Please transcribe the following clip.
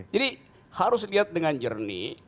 jadi harus lihat dengan jernih